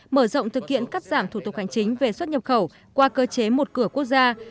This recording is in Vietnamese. mở rộng thực hiện cắt giảm thủ tục hành chính về xuất nhập khẩu qua cơ chế một cửa quốc gia